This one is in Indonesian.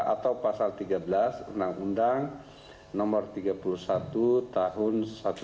atau pasal tiga belas undang undang nomor tiga puluh satu tahun seribu sembilan ratus sembilan puluh